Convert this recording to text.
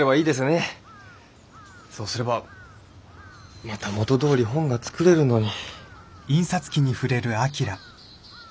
そうすればまた元どおり本が作れるのに。